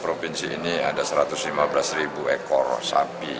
provinsi ini ada satu ratus lima belas ribu ekor sapi